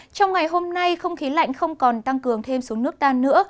trong ngày hôm nay không khí lạnh không còn tăng cường thêm xuống nước ta nữa